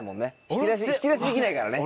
引き出しできないからね。